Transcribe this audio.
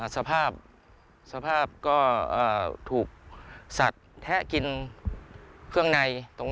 สภาพก็ถูกสัตว์แทะกินเครื่องใน